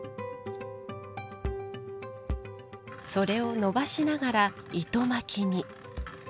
それを伸ばしながら糸巻きに。